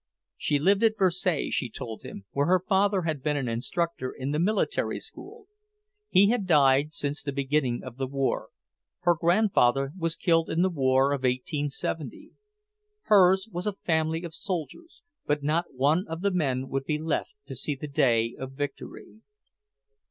She lived at Versailles, she told him, where her father had been an instructor in the Military School. He had died since the beginning of the war. Her grandfather was killed in the war of 1870. Hers was a family of soldiers, but not one of the men would be left to see the day of victory.